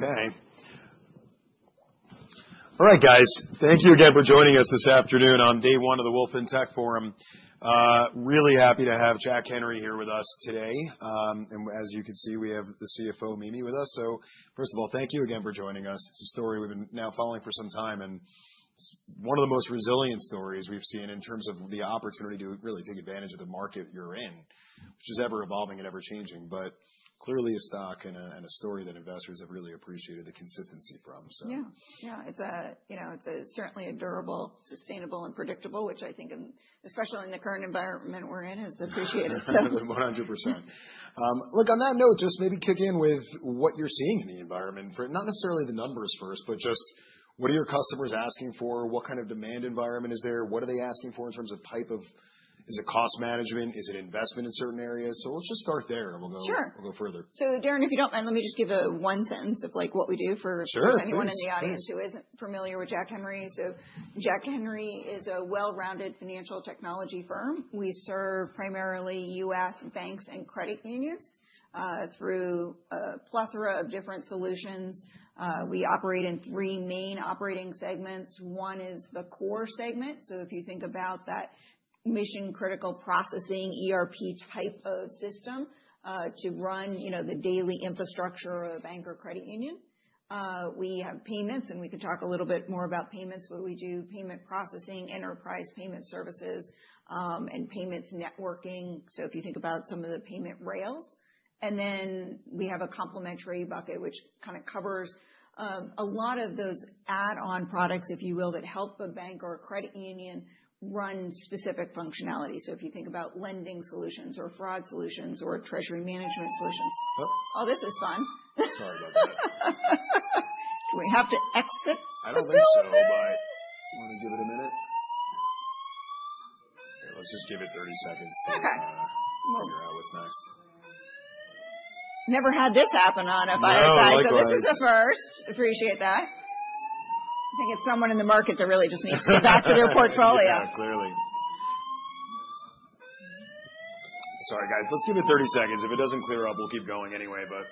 Okay. All right, guys. Thank you again for joining us this afternoon on day one of the Wolfe Fintech Forum. Really happy to have Jack Henry here with us today. As you can see, we have the CFO, Mimi, with us. First of all, thank you again for joining us. It's a story we've been now following for some time, and it's one of the most resilient stories we've seen in terms of the opportunity to really take advantage of the market you're in, which is ever-evolving and ever-changing, but clearly a stock and a story that investors have really appreciated the consistency from. Yeah, yeah. It's certainly a durable, sustainable, and predictable, which I think, especially in the current environment we're in, is appreciated. 100%. Look, on that note, just maybe kick in with what you're seeing in the environment, not necessarily the numbers first, but just what are your customers asking for? What kind of demand environment is there? What are they asking for in terms of type of, is it cost management? Is it investment in certain areas? Let's just start there and we'll go further. Sure. Darrin, if you don't mind, let me just give one sentence of what we do for anyone in the audience who isn't familiar with Jack Henry. Jack Henry is a well-rounded financial technology firm. We serve primarily U.S. banks and credit unions through a plethora of different solutions. We operate in three main operating segments. One is the core segment. If you think about that mission-critical processing ERP type of system to run the daily infrastructure of a bank or credit union, we have payments, and we could talk a little bit more about payments, but we do payment processing, enterprise payment services, and payments networking. If you think about some of the payment rails, we have a complimentary bucket, which kind of covers a lot of those add-on products, if you will, that help a bank or a credit union run specific functionality. If you think about lending solutions or fraud solutions or treasury management solutions, all this is fun. Sorry about that. Do we have to exit? I don't think so. Do you want to give it a minute? Let's just give it 30 seconds to figure out what's next. Never had this happen on a fireside, so this is a first. Appreciate that. I think it's someone in the market that really just needs to go back to their portfolio. Yeah, clearly. Sorry, guys. Let's give it 30 seconds. If it doesn't clear up, we'll keep going anyway. Okay. Okay.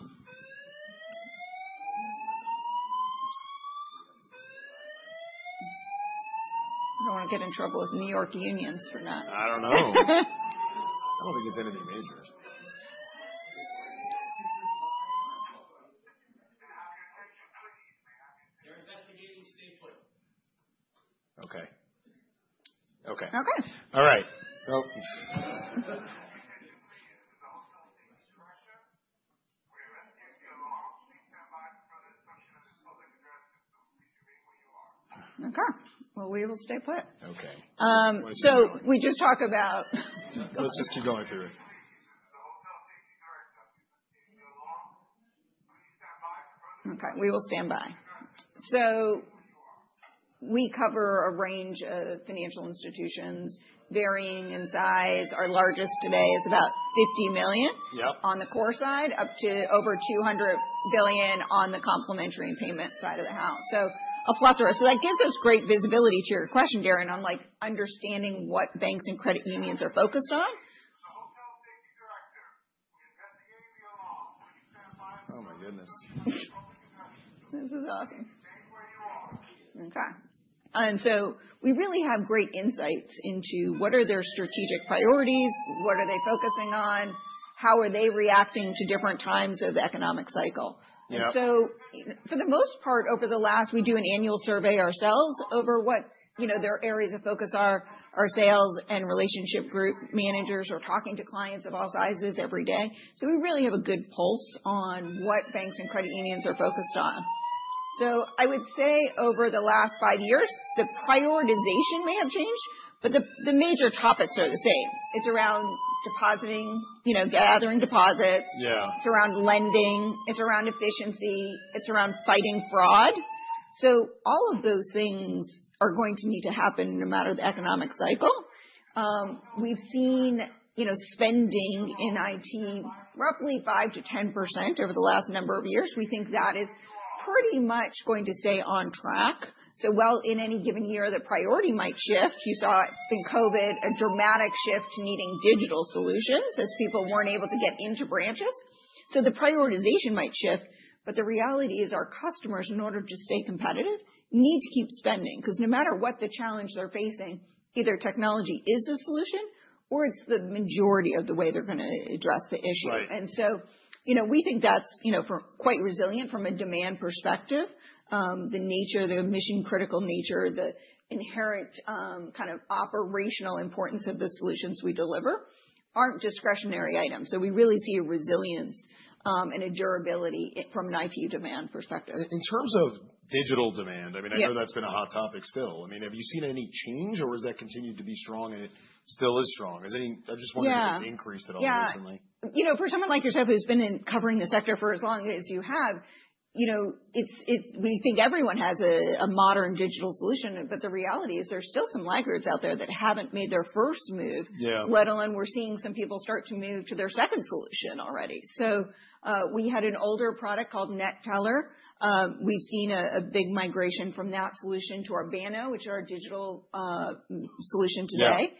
I don't want to get in trouble with New York unions for that. I don't know. I don't think it's anything major. Okay. Okay. Okay. All right. Okay. We will stay put. Okay. We just talk about. Let's just keep going through it. Okay. We will stand by. We cover a range of financial institutions varying in size. Our largest today is about $50 million on the core side, up to over $200 billion on the complementary payment side of the house. That gives us great visibility to your question, Darren, on understanding what banks and credit unions are focused on. Oh my goodness. This is awesome. We really have great insights into what are their strategic priorities, what are they focusing on, how are they reacting to different times of the economic cycle. For the most part, over the last, we do an annual survey ourselves over what their areas of focus are, our sales and relationship group managers are talking to clients of all sizes every day. We really have a good pulse on what banks and credit unions are focused on. I would say over the last five years, the prioritization may have changed, but the major topics are the same. It is around depositing, gathering deposits. It is around lending. It is around efficiency. It is around fighting fraud. All of those things are going to need to happen no matter the economic cycle. We've seen spending in IT roughly 5-10% over the last number of years. We think that is pretty much going to stay on track. While in any given year the priority might shift, you saw in COVID a dramatic shift to needing digital solutions as people were not able to get into branches. The prioritization might shift, but the reality is our customers, in order to stay competitive, need to keep spending because no matter what the challenge they are facing, either technology is a solution or it is the majority of the way they are going to address the issue. We think that is quite resilient from a demand perspective. The mission-critical nature, the inherent kind of operational importance of the solutions we deliver are not discretionary items. We really see a resilience and a durability from an IT demand perspective. In terms of digital demand, I mean, I know that's been a hot topic still. I mean, have you seen any change or has that continued to be strong and it still is strong? I just wonder if it's increased at all recently. Yeah. For someone like yourself who's been covering the sector for as long as you have, we think everyone has a modern digital solution, but the reality is there's still some laggards out there that haven't made their first Move, let alone we're seeing some people start to Move to their second solution already. We had an older product called NetTeller. We've seen a big migration from that solution to our Banno, which is our digital solution today.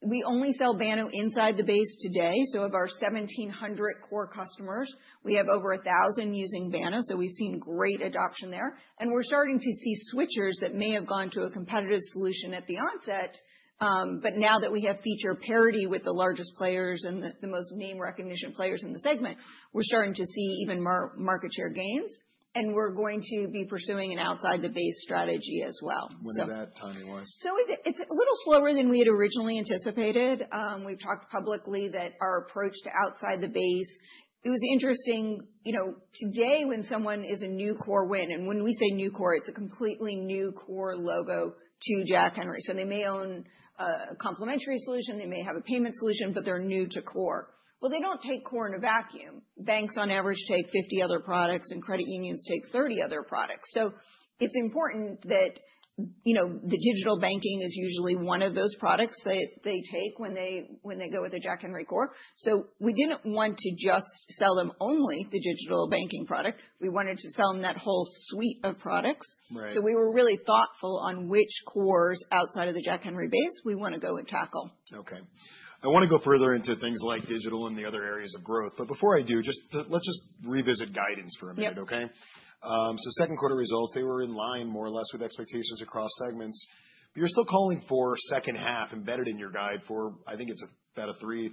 We only sell Banno inside the base today. Of our 1,700 core customers, we have over 1,000 using Banno. We've seen great adoption there. We are starting to see switchers that may have gone to a competitive solution at the onset, but now that we have feature parity with the largest players and the most name recognition players in the segment, we are starting to see even more market share gains, and we are going to be pursuing an outside-the-base strategy as well. When did that time arise? It's a little slower than we had originally anticipated. We've talked publicly that our approach to outside the base, it was interesting today when someone is a new core win, and when we say new core, it's a completely new core logo to Jack Henry. They may own a complimentary solution, they may have a payment solution, but they're new to core. They don't take core in a vacuum. Banks on average take 50 other products and credit unions take 30 other products. It's important that the digital banking is usually one of those products that they take when they go with the Jack Henry core. We didn't want to just sell them only the digital banking product. We wanted to sell them that whole suite of products. We were really thoughtful on which cores outside of the Jack Henry base we want to go and tackle. Okay. I want to go further into things like digital and the other areas of growth. Before I do, let's just revisit guidance for a minute, okay? Second quarter results, they were in line more or less with expectations across segments, but you're still calling for second half embedded in your guide for, I think it's about a 3-3.5%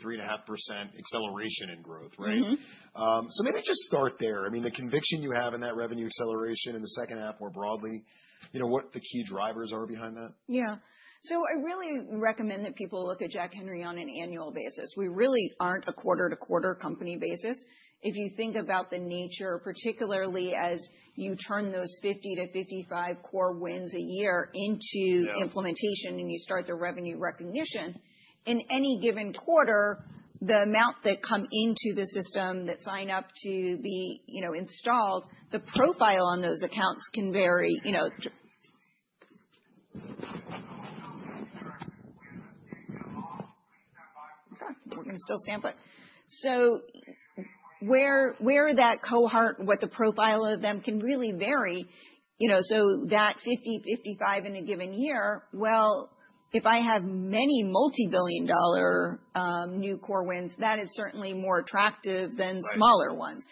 acceleration in growth, right? Maybe just start there. I mean, the conviction you have in that revenue acceleration in the second half more broadly, what the key drivers are behind that? Yeah. I really recommend that people look at Jack Henry on an annual basis. We really aren't a quarter-to-quarter company basis. If you think about the nature, particularly as you turn those 50-55 core wins a year into implementation and you start the revenue recognition, in any given quarter, the amount that come into the system that sign up to be installed, the profile on those accounts can vary. We're going to still stamp it. Where that cohort, what the profile of them can really vary. That 50-55 in a given year, if I have many multi-billion dollar new core wins, that is certainly more attractive than smaller ones.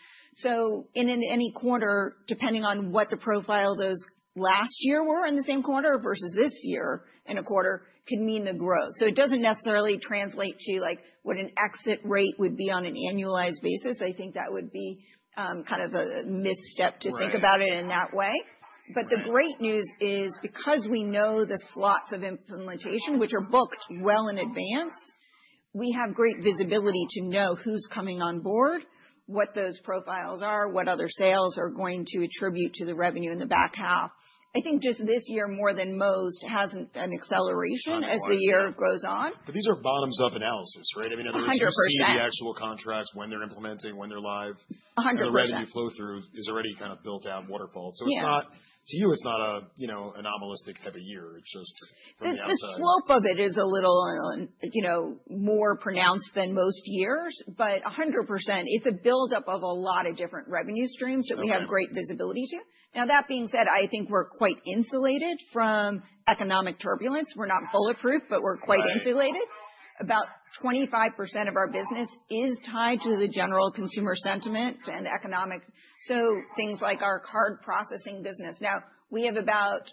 In any quarter, depending on what the profile those last year were in the same quarter versus this year in a quarter can mean the growth. It does not necessarily translate to what an exit rate would be on an annualized basis. I think that would be kind of a misstep to think about it in that way. The great news is because we know the slots of implementation, which are booked well in advance, we have great visibility to know who is coming on board, what those profiles are, what other sales are going to attribute to the revenue in the back half. I think just this year more than most has an acceleration as the year goes on. These are bottoms-up analysis, right? I mean, in other words, you see the actual contracts, when they're implementing, when they're live. The revenue flow through is already kind of built out waterfall. To you, it's not an anomalistic type of year. It's just from the outset. The slope of it is a little more pronounced than most years, but 100%, it's a buildup of a lot of different revenue streams that we have great visibility to. Now, that being said, I think we're quite insulated from economic turbulence. We're not bulletproof, but we're quite insulated. About 25% of our business is tied to the general consumer sentiment and economic. Things like our card processing business. Now, we have about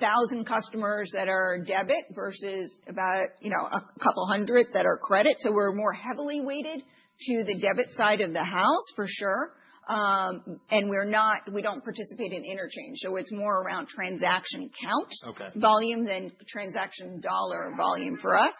1,000 customers that are debit versus about a couple hundred that are credit. We're more heavily weighted to the debit side of the house, for sure. We don't participate in interchange. It's more around transaction count volume than transaction dollar volume for us.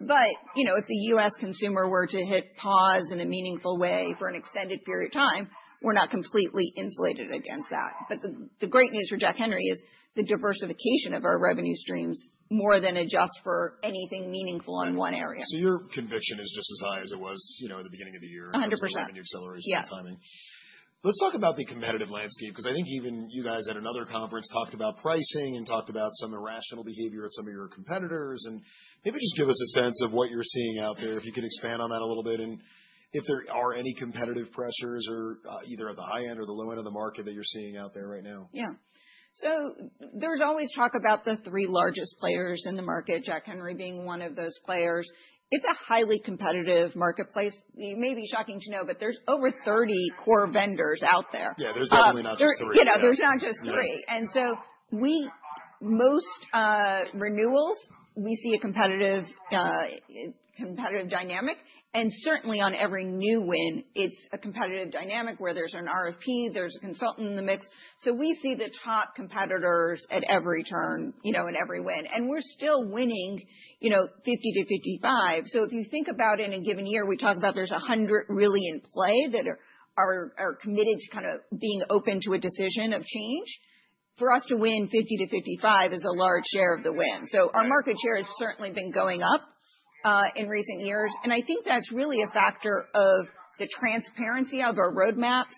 If the U.S. consumer were to hit pause in a meaningful way for an extended period of time, we're not completely insulated against that. The great news for Jack Henry is the diversification of our revenue streams more than adjust for anything meaningful in one area. Your conviction is just as high as it was at the beginning of the year. 100%. With the revenue acceleration timing. Let's talk about the competitive landscape because I think even you guys at another conference talked about pricing and talked about some irrational behavior of some of your competitors. Maybe just give us a sense of what you're seeing out there, if you could expand on that a little bit, and if there are any competitive pressures either at the high end or the low end of the market that you're seeing out there right now. Yeah. There is always talk about the three largest players in the market, Jack Henry being one of those players. It is a highly competitive marketplace. It may be shocking to know, but there are over 30 core vendors out there. Yeah, there's definitely not just three. There's not just three. Most renewals, we see a competitive dynamic. Certainly on every new win, it's a competitive dynamic where there's an RFP, there's a consultant in the mix. We see the top competitors at every turn and every win. We're still winning 50-55. If you think about in a given year, we talk about there's 100 really in play that are committed to kind of being open to a decision of change. For us to win 50-55 is a large share of the win. Our market share has certainly been going up in recent years. I think that's really a factor of the transparency of our roadmaps,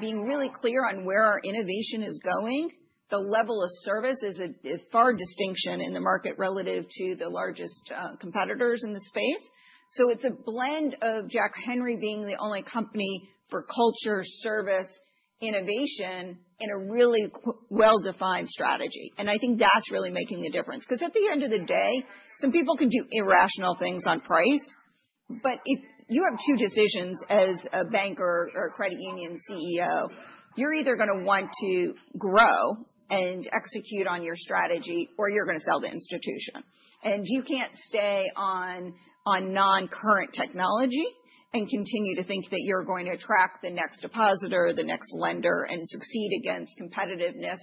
being really clear on where our innovation is going. The level of service is a far distinction in the market relative to the largest competitors in the space. It is a blend of Jack Henry being the only company for culture, service, innovation in a really well-defined strategy. I think that is really making the difference. Because at the end of the day, some people can do irrational things on price, but if you have two decisions as a banker or a credit union CEO, you are either going to want to grow and execute on your strategy or you are going to sell the institution. You cannot stay on non-current technology and continue to think that you are going to attract the next depositor, the next lender, and succeed against competitiveness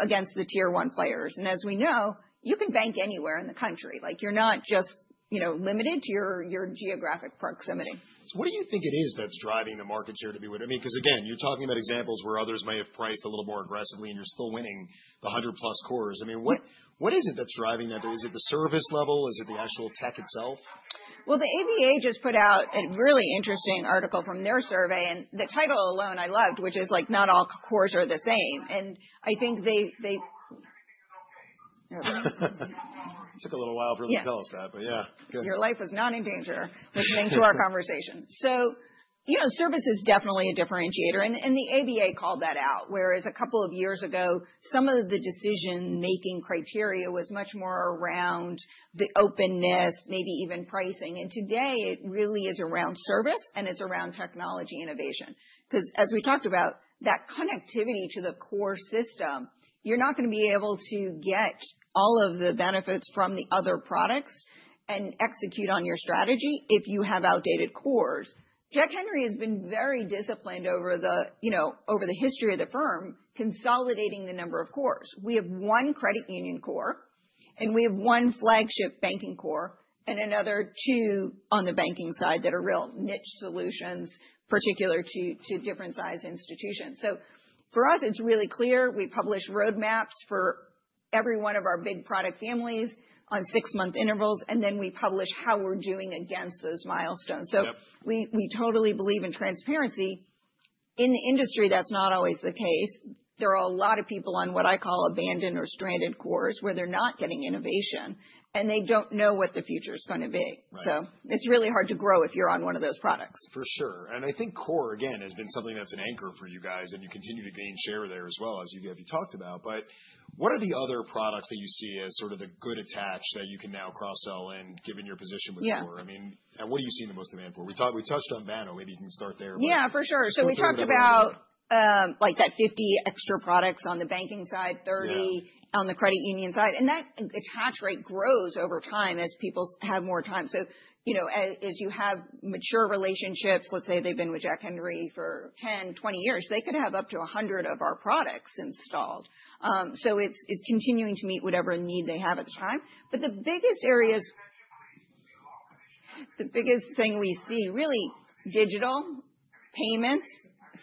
against the tier one players. As we know, you can bank anywhere in the country. You are not just limited to your geographic proximity. What do you think it is that's driving the market share to be? I mean, because again, you're talking about examples where others may have priced a little more aggressively and you're still winning the 100+ cores. I mean, what is it that's driving that? Is it the service level? Is it the actual tech itself? The ABA just put out a really interesting article from their survey, and the title alone I loved, which is Not All Cores Are the Same. I think they. It took a little while for them to tell us that, but yeah. Your life is not in danger listening to our conversation. Service is definitely a differentiator. The ABA called that out, whereas a couple of years ago, some of the decision-making criteria was much more around the openness, maybe even pricing. Today, it really is around service and it is around technology innovation. Because as we talked about, that connectivity to the core system, you are not going to be able to get all of the benefits from the other products and execute on your strategy if you have outdated cores. Jack Henry has been very disciplined over the history of the firm, consolidating the number of cores. We have one credit union core, and we have one flagship banking core, and another two on the banking side that are real niche solutions, particular to different size institutions. For us, it is really clear. We publish roadmaps for every one of our big product families on six-month intervals, and then we publish how we're doing against those milestones. We totally believe in transparency. In the industry, that's not always the case. There are a lot of people on what I call abandoned or stranded cores where they're not getting innovation, and they don't know what the future is going to be. It's really hard to grow if you're on one of those products. For sure. I think core, again, has been something that's an anchor for you guys, and you continue to gain share there as well, as you talked about. What are the other products that you see as sort of the good attached that you can now cross-sell in, given your position with core? I mean, what are you seeing the most demand for? We touched on Banno. Maybe you can start there. Yeah, for sure. We talked about that 50 extra products on the banking side, 30 on the credit union side. That attach rate grows over time as people have more time. As you have mature relationships, let's say they've been with Jack Henry for 10, 20 years, they could have up to 100 of our products installed. It is continuing to meet whatever need they have at the time. The biggest areas, the biggest thing we see, really digital, payments,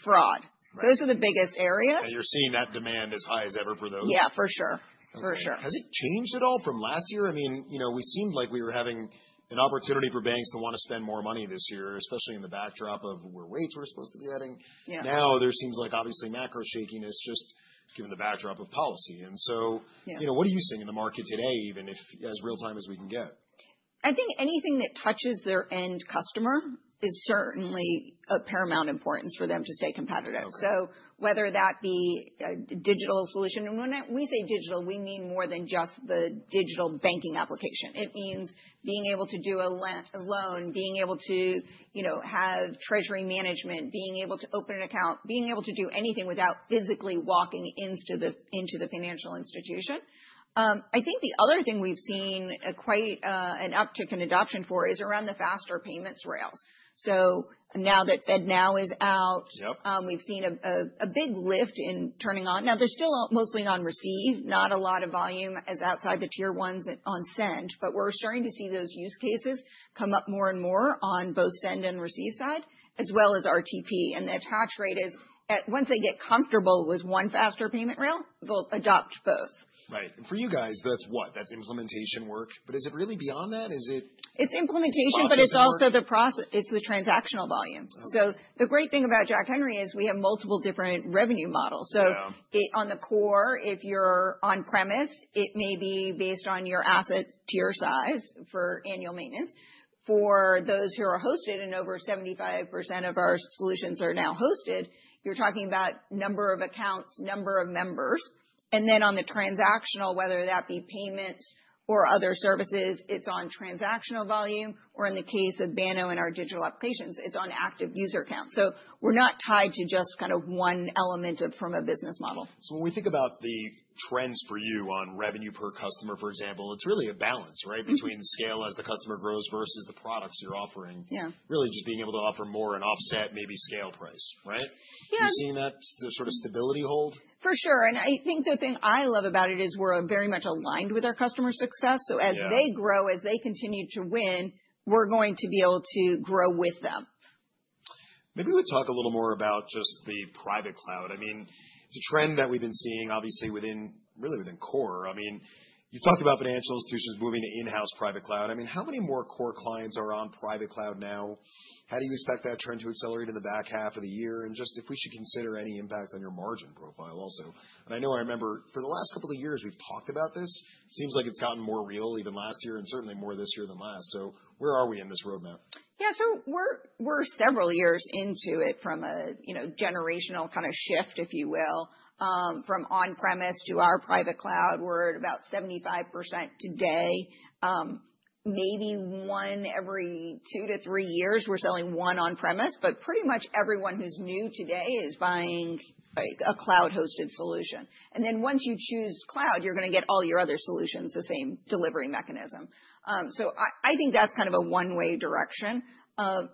fraud. Those are the biggest areas. You're seeing that demand as high as ever for those? Yeah, for sure. For sure. Has it changed at all from last year? I mean, we seemed like we were having an opportunity for banks to want to spend more money this year, especially in the backdrop of where rates were supposed to be heading. Now, there seems like obviously macro shaking is just given the backdrop of policy. What are you seeing in the market today, even as real-time as we can get? I think anything that touches their end customer is certainly of paramount importance for them to stay competitive. Whether that be a digital solution, and when we say digital, we mean more than just the digital banking application. It means being able to do a loan, being able to have treasury management, being able to open an account, being able to do anything without physically walking into the financial institution. I think the other thing we've seen quite an uptick in adoption for is around the faster payments rails. Now that FedNow is out, we've seen a big lift in turning on. They are still mostly on receive, not a lot of volume as outside the tier ones on send, but we're starting to see those use cases come up more and more on both send and receive side, as well as RTP. The attach rate is once they get comfortable with one faster payment rail, they'll adopt both. Right. For you guys, that's what? That's implementation work, but is it really beyond that? Is it? It's implementation, but it's also the transactional volume. The great thing about Jack Henry is we have multiple different revenue models. On the core, if you're on-premise, it may be based on your asset tier size for annual maintenance. For those who are hosted, and over 75% of our solutions are now hosted, you're talking about number of accounts, number of members. On the transactional, whether that be payments or other services, it's on transactional volume, or in the case of Banno and our digital applications, it's on active user accounts. We're not tied to just kind of one element from a business model. When we think about the trends for you on revenue per customer, for example, it's really a balance, right, between the scale as the customer grows versus the products you're offering, really just being able to offer more and offset maybe scale price, right? Are you seeing that sort of stability hold? For sure. I think the thing I love about it is we're very much aligned with our customer success. As they grow, as they continue to win, we're going to be able to grow with them. Maybe we talk a little more about just the private cloud. I mean, it's a trend that we've been seeing, obviously, really within core. I mean, you've talked about financial institutions moving to in-house private cloud. I mean, how many more core clients are on private cloud now? How do you expect that trend to accelerate in the back half of the year? If we should consider any impact on your margin profile also. I know I remember for the last couple of years, we've talked about this. It seems like it's gotten more real, even last year, and certainly more this year than last. Where are we in this roadmap? Yeah. We are several years into it from a generational kind of shift, if you will, from on-premise to our private cloud. We are at about 75% today. Maybe once every two to three years, we are selling one on-premise, but pretty much everyone who is new today is buying a cloud-hosted solution. Once you choose cloud, you are going to get all your other solutions the same delivery mechanism. I think that is kind of a one-way direction.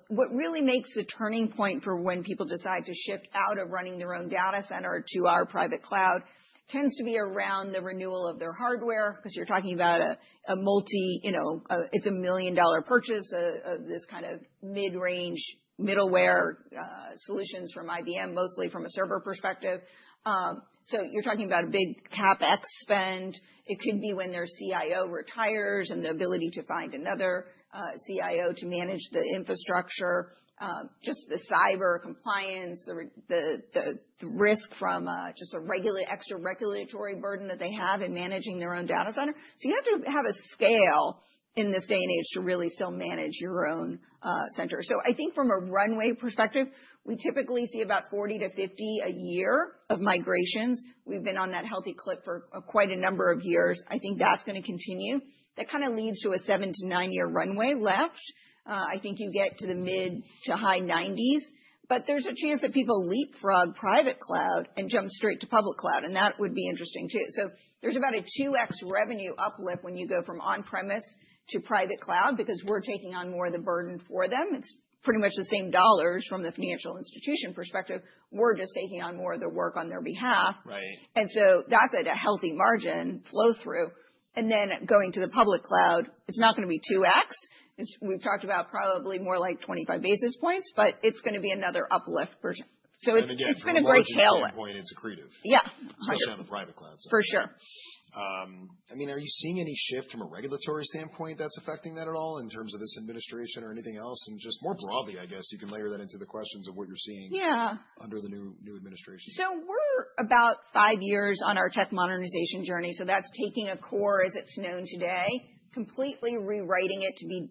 What really makes the turning point for when people decide to shift out of running their own data center to our private cloud tends to be around the renewal of their hardware because you are talking about a multi—it is a million-dollar purchase, this kind of mid-range middleware solutions from IBM, mostly from a server perspective. You are talking about a big CapEx spend. It could be when their CIO retires and the ability to find another CIO to manage the infrastructure, just the cyber compliance, the risk from just a regular extra regulatory burden that they have in managing their own data center. You have to have a scale in this day and age to really still manage your own center. I think from a runway perspective, we typically see about 40-50 a year of migrations. We've been on that healthy clip for quite a number of years. I think that's going to continue. That kind of leads to a seven- to nine-year runway left. I think you get to the mid to high 90s, but there's a chance that people leapfrog private cloud and jump straight to public cloud. That would be interesting too. There's about a 2x revenue uplift when you go from on-premise to private cloud because we're taking on more of the burden for them. It's pretty much the same dollars from the financial institution perspective. We're just taking on more of the work on their behalf. That's at a healthy margin flow-through. Then going to the public cloud, it's not going to be 2x. We've talked about probably more like 25 basis points, but it's going to be another uplift. It's been a great tailwind. Again, from a financial standpoint, it's accretive. Yeah. Unlike some of the private clouds. For sure. I mean, are you seeing any shift from a regulatory standpoint that's affecting that at all in terms of this administration or anything else? Just more broadly, I guess, you can layer that into the questions of what you're seeing under the new administration. We're about five years on our tech modernization journey. That's taking a core as it's known today, completely rewriting it to be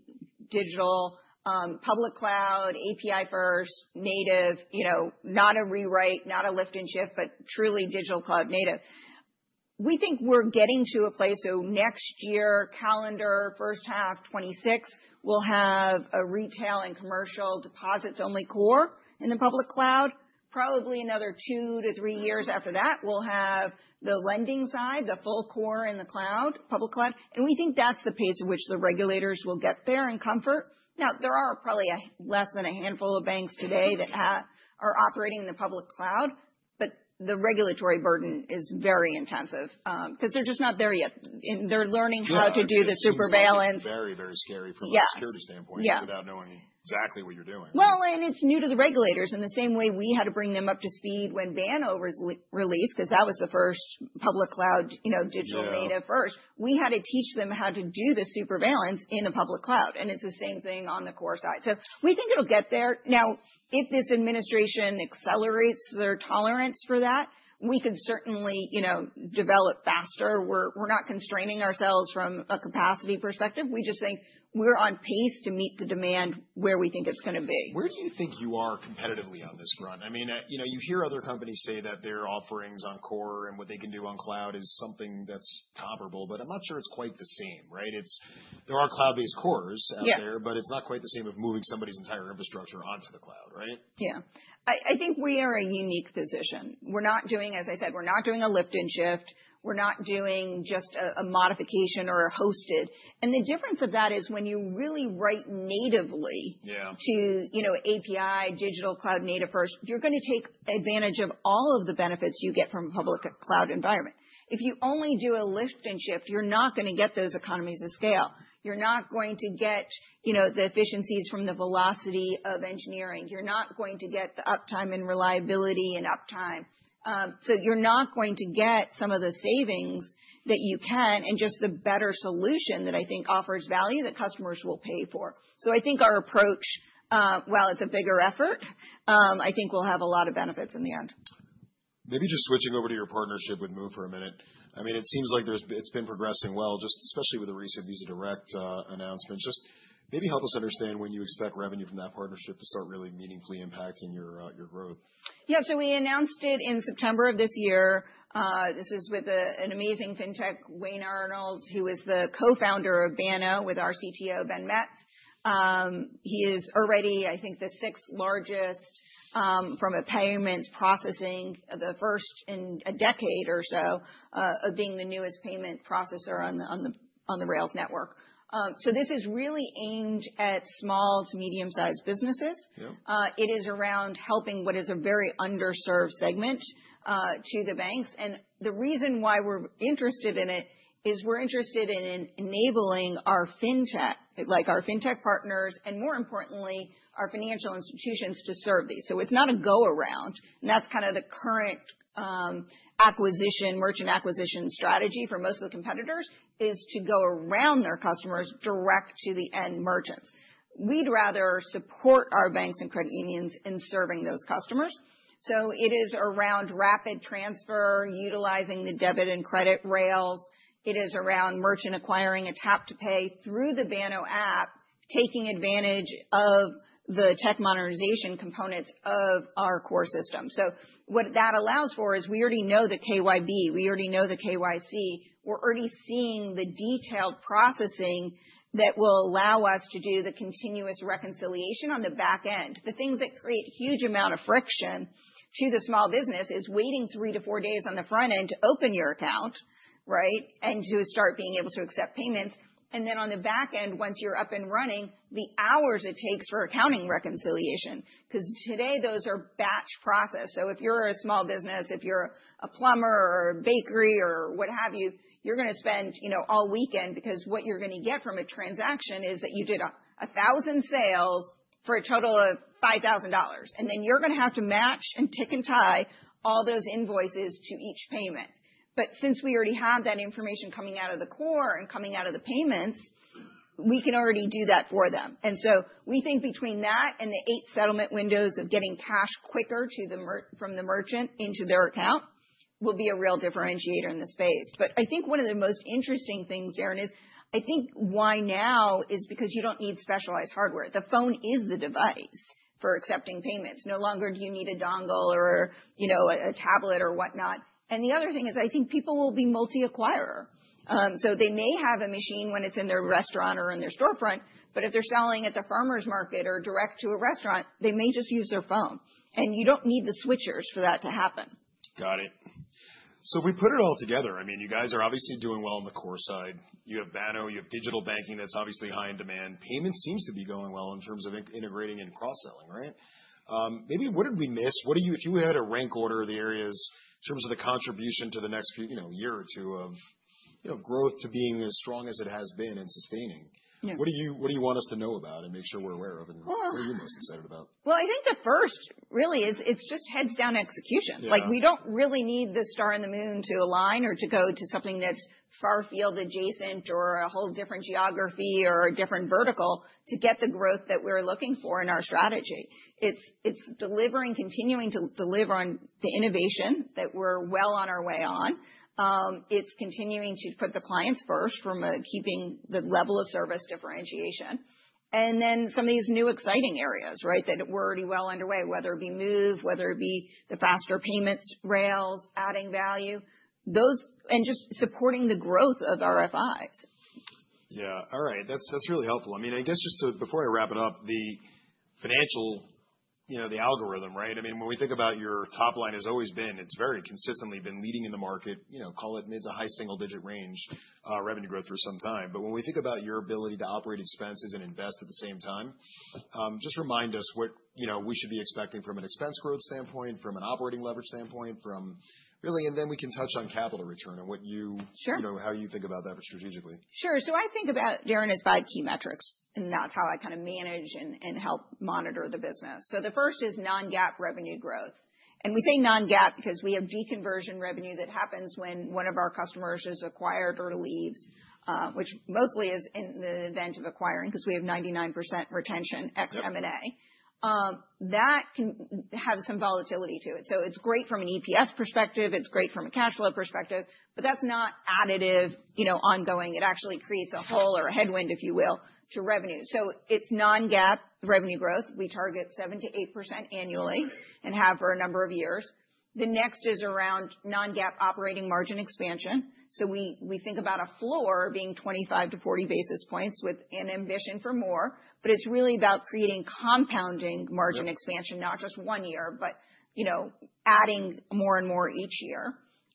digital, public cloud, API-first, native, not a rewrite, not a lift and shift, but truly digital cloud native. We think we're getting to a place so next year, calendar first half, 2026, we'll have a retail and commercial deposits-only core in the public cloud. Probably another two to three years after that, we'll have the lending side, the full core in the cloud, public cloud. We think that's the pace at which the regulators will get there and comfort. There are probably less than a handful of banks today that are operating in the public cloud, but the regulatory burden is very intensive because they're just not there yet. They're learning how to do the supervision. It's very, very scary from a security standpoint without knowing exactly what you're doing. It is new to the regulators. In the same way, we had to bring them up to speed when Banno was released because that was the first public cloud digital native first. We had to teach them how to do the super balance in a public cloud. It is the same thing on the core side. We think it will get there. Now, if this administration accelerates their tolerance for that, we can certainly develop faster. We are not constraining ourselves from a capacity perspective. We just think we are on pace to meet the demand where we think it is going to be. Where do you think you are competitively on this run? I mean, you hear other companies say that their offerings on core and what they can do on cloud is something that's comparable, but I'm not sure it's quite the same, right? There are cloud-based cores out there, but it's not quite the same as moving somebody's entire infrastructure onto the cloud, right? Yeah. I think we are in a unique position. As I said, we're not doing a lift and shift. We're not doing just a modification or a hosted. The difference of that is when you really write natively to API, digital cloud native first, you're going to take advantage of all of the benefits you get from a public cloud environment. If you only do a lift and shift, you're not going to get those economies of scale. You're not going to get the efficiencies from the velocity of engineering. You're not going to get the uptime and reliability and uptime. You're not going to get some of the savings that you can and just the better solution that I think offers value that customers will pay for. I think our approach, while it's a bigger effort, I think we'll have a lot of benefits in the end. Maybe just switching over to your partnership with Move for a minute. I mean, it seems like it's been progressing well, just especially with the recent Visa Direct announcements. Just maybe help us understand when you expect revenue from that partnership to start really meaningfully impacting your growth. Yeah. We announced it in September of this year. This is with an amazing fintech, Wade Arnold, who is the co-founder of Banno with our CTO, Ben Metz. He is already, I think, the sixth largest from a payments processing, the first in a decade or so of being the newest payment processor on the Rails network. This is really aimed at small to medium-sized businesses. It is around helping what is a very underserved segment to the banks. The reason why we're interested in it is we're interested in enabling our fintech, like our fintech partners, and more importantly, our financial institutions to serve these. It's not a go-around. That's kind of the current merchant acquisition strategy for most of the competitors, to go around their customers direct to the end merchants. We'd rather support our banks and credit unions in serving those customers. It is around rapid transfer, utilizing the debit and credit rails. It is around merchant acquiring and tap-to-pay through the Banno app, taking advantage of the tech modernization components of our core system. What that allows for is we already know the KYB. We already know the KYC. We're already seeing the detailed processing that will allow us to do the continuous reconciliation on the back end. The things that create a huge amount of friction to the small business is waiting three to four days on the front end to open your account, right, and to start being able to accept payments. Then on the back end, once you're up and running, the hours it takes for accounting reconciliation because today those are batch processed. If you're a small business, if you're a plumber or a bakery or what have you, you're going to spend all weekend because what you're going to get from a transaction is that you did 1,000 sales for a total of $5,000. Then you're going to have to match and tick and tie all those invoices to each payment. Since we already have that information coming out of the core and coming out of the payments, we can already do that for them. We think between that and the eight settlement windows of getting cash quicker from the merchant into their account will be a real differentiator in the space. I think one of the most interesting things, Darrin, is I think why now is because you don't need specialized hardware. The phone is the device for accepting payments. No longer do you need a dongle or a tablet or whatnot. The other thing is I think people will be multi-acquirer. They may have a machine when it is in their restaurant or in their storefront, but if they are selling at the farmer's market or direct to a restaurant, they may just use their phone. You do not need the switchers for that to happen. Got it. If we put it all together, I mean, you guys are obviously doing well on the core side. You have Banno. You have digital banking that's obviously high in demand. Payment seems to be going well in terms of integrating and cross-selling, right? Maybe what did we miss? If you had a rank order of the areas in terms of the contribution to the next year or two of growth to being as strong as it has been and sustaining, what do you want us to know about and make sure we're aware of? What are you most excited about? I think the first really is it's just heads down execution. We don't really need the star in the moon to align or to go to something that's far-field adjacent or a whole different geography or a different vertical to get the growth that we're looking for in our strategy. It's continuing to deliver on the innovation that we're well on our way on. It's continuing to put the clients first from keeping the level of service differentiation. And then some of these new exciting areas, right, that we're already well underway, whether it be Move, whether it be the faster payments rails, adding value, and just supporting the growth of our FIs. Yeah. All right. That's really helpful. I mean, I guess just before I wrap it up, the financial, the algorithm, right? I mean, when we think about your top line has always been, it's very consistently been leading in the market, call it mid to high single-digit range revenue growth for some time. I mean, when we think about your ability to operate expenses and invest at the same time, just remind us what we should be expecting from an expense growth standpoint, from an operating leverage standpoint, from really, and then we can touch on capital return and how you think about that strategically. Sure. I think about, Aaron, as five key metrics, and that's how I kind of manage and help monitor the business. The first is non-GAAP revenue growth. We say non-GAAP because we have deconversion revenue that happens when one of our customers is acquired or leaves, which mostly is in the event of acquiring because we have 99% retention ex-M&A. That can have some volatility to it. It's great from an EPS perspective. It's great from a cash flow perspective, but that's not additive ongoing. It actually creates a hole or a headwind, if you will, to revenue. It's non-GAAP revenue growth. We target 7-8% annually and have for a number of years. The next is around non-GAAP operating margin expansion. We think about a floor being 25-40 basis points with an ambition for more, but it's really about creating compounding margin expansion, not just one year, but adding more and more each year.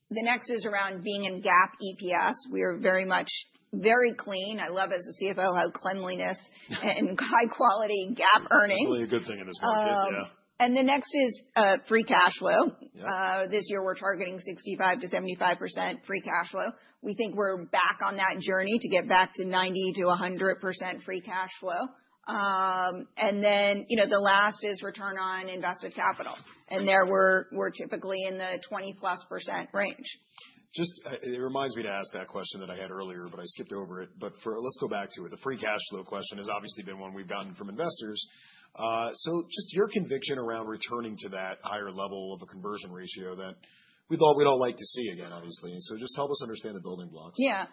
The next is around being in GAAP EPS. We are very much very clean. I love, as a CFO, how cleanliness and high-quality GAAP earnings. That's really a good thing in this market. Yeah. The next is free cash flow. This year, we're targeting 65-75% free cash flow. We think we're back on that journey to get back to 90-100% free cash flow. The last is return on invested capital. There we're typically in the 20-plus % range. Just it reminds me to ask that question that I had earlier, but I skipped over it. Let's go back to it. The free cash flow question has obviously been one we've gotten from investors. Just your conviction around returning to that higher level of a conversion ratio that we'd all like to see again, obviously. Just help us understand the building blocks. Yeah.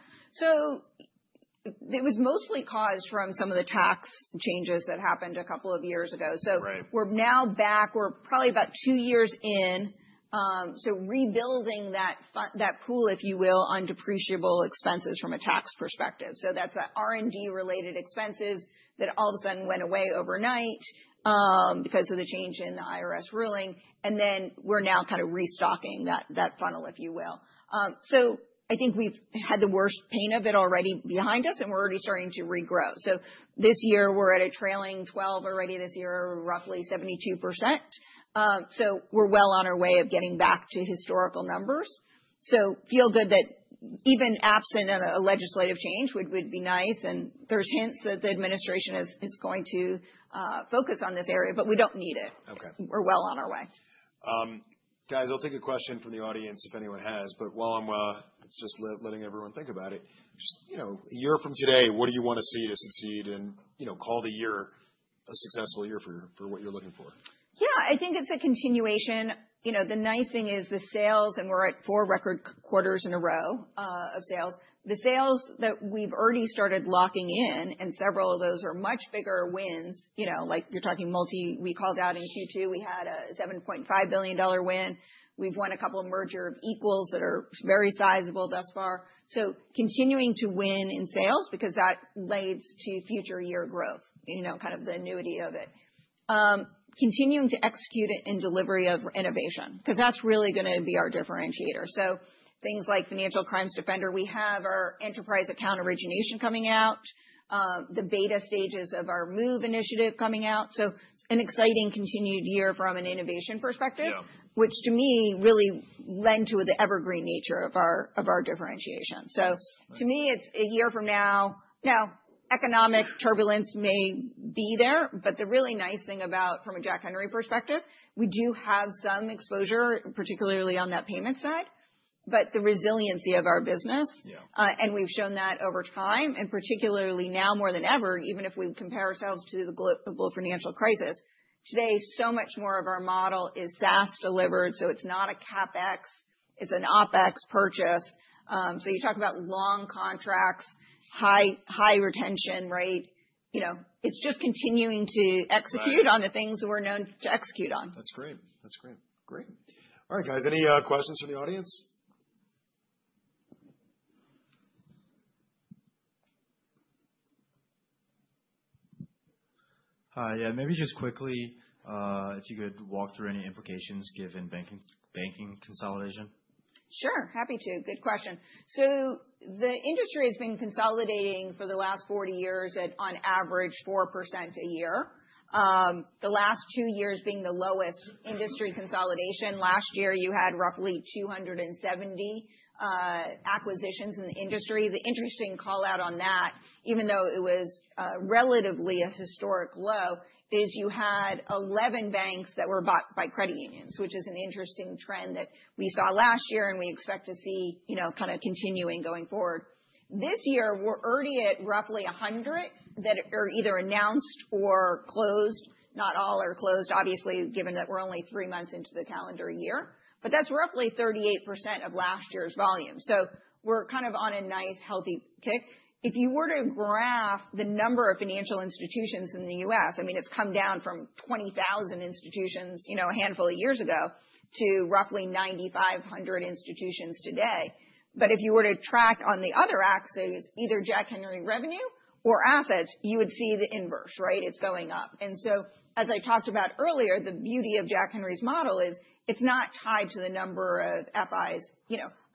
It was mostly caused from some of the tax changes that happened a couple of years ago. We're now back. We're probably about two years in. Rebuilding that pool, if you will, on depreciable expenses from a tax perspective. That's R&D-related expenses that all of a sudden went away overnight because of the change in the IRS ruling. We're now kind of restocking that funnel, if you will. I think we've had the worst pain of it already behind us, and we're already starting to regrow. This year, we're at a trailing 12 already this year, roughly 72%. We're well on our way of getting back to historical numbers. I feel good that even absent of a legislative change would be nice. There are hints that the administration is going to focus on this area, but we don't need it. We're well on our way. Guys, I'll take a question from the audience if anyone has. While I'm just letting everyone think about it, just a year from today, what do you want to see to succeed and call the year a successful year for what you're looking for? Yeah. I think it's a continuation. The nice thing is the sales, and we're at four record quarters in a row of sales. The sales that we've already started locking in, and several of those are much bigger wins. Like you're talking multi, we called out in Q2, we had a $7.5 billion win. We've won a couple of mergers of equals that are very sizable thus far. Continuing to win in sales because that leads to future year growth, kind of the annuity of it. Continuing to execute it in delivery of innovation because that's really going to be our differentiator. Things like Financial Crimes Defender, we have our Enterprise Account Origination coming out, the beta stages of our moov initiative coming out. It's an exciting continued year from an innovation perspective, which to me really lent to the evergreen nature of our differentiation. To me, it's a year from now. Now, economic turbulence may be there, but the really nice thing about, from a Jack Henry perspective, we do have some exposure, particularly on that payment side, but the resiliency of our business. We've shown that over time, and particularly now more than ever, even if we compare ourselves to the global financial crisis. Today, so much more of our model is SaaS delivered. It's not a CapEx. It's an OpEx purchase. You talk about long contracts, high retention rate. It's just continuing to execute on the things that we're known to execute on. That's great. That's great. Great. All right, guys. Any questions from the audience? Hi. Yeah. Maybe just quickly, if you could walk through any implications given banking consolidation. Sure. Happy to. Good question. The industry has been consolidating for the last 40 years at, on average, 4% a year. The last two years being the lowest industry consolidation. Last year, you had roughly 270 acquisitions in the industry. The interesting callout on that, even though it was relatively a historic low, is you had 11 banks that were bought by credit unions, which is an interesting trend that we saw last year and we expect to see kind of continuing going forward. This year, we're already at roughly 100 that are either announced or closed. Not all are closed, obviously, given that we're only three months into the calendar year, but that's roughly 38% of last year's volume. We're kind of on a nice healthy kick. If you were to graph the number of financial institutions in the U.S., I mean, it's come down from 20,000 institutions a handful of years ago to roughly 9,500 institutions today. If you were to track on the other axes, either Jack Henry revenue or assets, you would see the inverse, right? It's going up. As I talked about earlier, the beauty of Jack Henry's model is it's not tied to the number of FIs.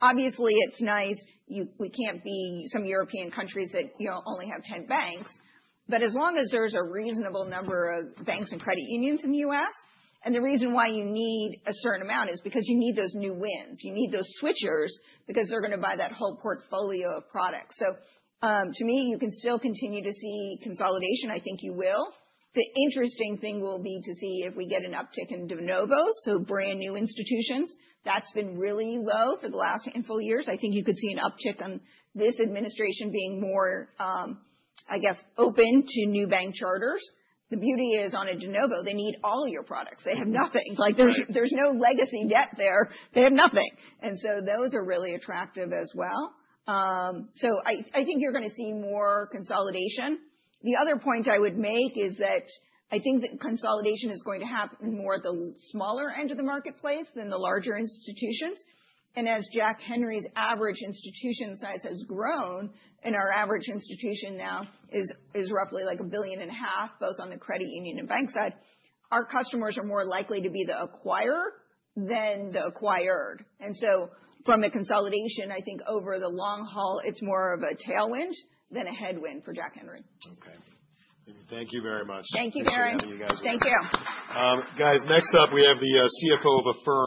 Obviously, it's nice. We can't be some European countries that only have 10 banks, but as long as there's a reasonable number of banks and credit unions in the U.S., and the reason why you need a certain amount is because you need those new wins. You need those switchers because they're going to buy that whole portfolio of products. To me, you can still continue to see consolidation. I think you will. The interesting thing will be to see if we get an uptick in de novos, so brand new institutions. That has been really low for the last handful of years. I think you could see an uptick on this administration being more, I guess, open to new bank charters. The beauty is on a de novo, they need all your products. They have nothing. There is no legacy debt there. They have nothing. Those are really attractive as well. I think you are going to see more consolidation. The other point I would make is that I think that consolidation is going to happen more at the smaller end of the marketplace than the larger institutions. As Jack Henry's average institution size has grown and our average institution now is roughly like $1.5 billion, both on the credit union and bank side, our customers are more likely to be the acquirer than the acquired. From the consolidation, I think over the long haul, it's more of a tailwind than a headwind for Jack Henry. Okay. Thank you very much. Thank you, Aaron. Thank you, guys. Thank you. Guys, next up, we have the CFO of Jack Henry & Associates.